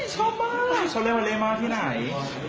ชอบมากชวนวัลเล่ลงยิมมาที่ไหน